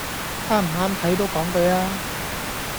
啱唔啱睇都講句嘢吖